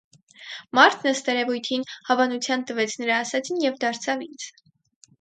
Մարդն, ըստ երևույթին, հավանության տվեց նրա ասածին և դարձավ ինձ.